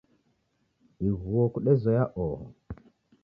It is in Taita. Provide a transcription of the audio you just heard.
Ighuo kudezoya oho